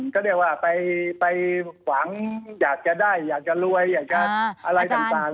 ก็เรียกว่าไปหวังอยากจะได้อยากจะรวยอยากจะอะไรต่าง